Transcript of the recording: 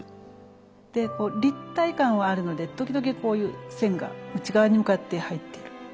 で立体感はあるので時々こういう線が内側に向かって入ってる。